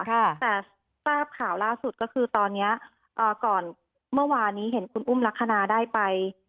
แต่ทราบข่าวล่าสุดก็คือตอนเนี้ยอ่าก่อนเมื่อวานนี้เห็นคุณอุ้มลักษณะได้ไป